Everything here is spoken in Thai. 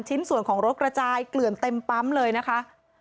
ชิ้นส่วนของรถกระจายเกลื่อนเต็มปั๊มเลยนะคะ